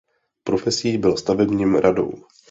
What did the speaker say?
Profesí byl stavebním radou.